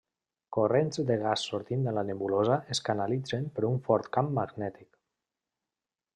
Corrents de gas sortint de la nebulosa es canalitzen per un fort camp magnètic.